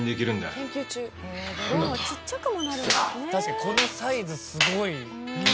「確かにこのサイズすごいですね」